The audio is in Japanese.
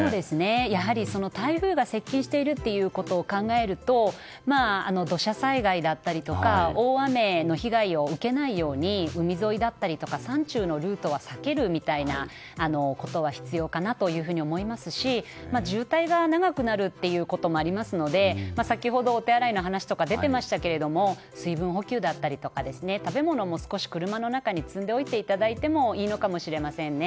やはり台風が接近していることを考えると土砂災害だったり大雨の被害を受けないように海沿いだったりとか山中のルートは避けるみたいなことは必要かなと思いますし渋滞が長くなることもありますので先ほど、お手洗いの話とかも出ていましたけれども水分補給だったりとか食べ物も少し車の中に積んでおいていただいてもいいのかもしれません。